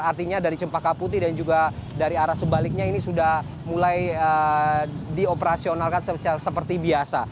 artinya dari cempaka putih dan juga dari arah sebaliknya ini sudah mulai dioperasionalkan seperti biasa